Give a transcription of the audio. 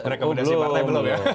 rekomendasi partai belum ya